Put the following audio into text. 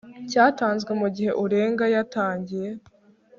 cyatanzwe mu gihe urega yatangiye